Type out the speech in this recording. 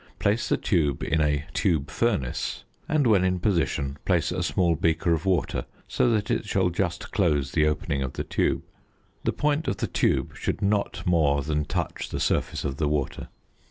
Place the tube in a "tube furnace," and, when in position, place a small beaker of water so that it shall just close the opening of the tube. The point of the tube should not more than touch the surface of the water.